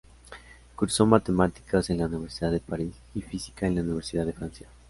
Cursó matemáticas en la Universidad de París y física en la Universidad de Francia.